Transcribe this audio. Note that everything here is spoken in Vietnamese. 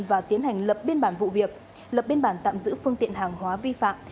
và tiến hành lập biên bản vụ việc lập biên bản tạm giữ phương tiện hàng hóa vi phạm